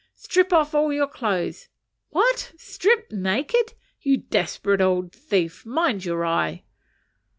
"Strip off all your clothes." "What? strip naked! you desperate old thief mind your eye."